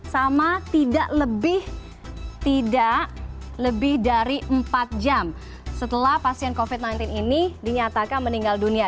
sama tidak lebih tidak lebih dari empat jam setelah pasien covid sembilan belas ini dinyatakan meninggal dunia